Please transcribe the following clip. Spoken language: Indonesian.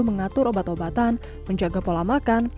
mengatur obat obatan menjaga pola makan